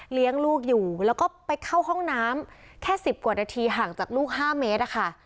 เลี้ยงลูกอยู่แล้วก็ไปเข้าห้องน้ำแค่๑๐กว่านาทีห่างจากลูก๕เมตรอะค่ะ